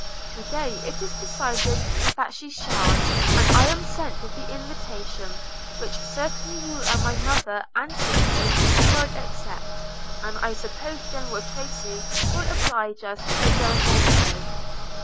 To day it is decided that she shall, and I am sent with the invitation, which certainly you and my mother and sisters will accept; and I suppose General Tracy will oblige us by going also.'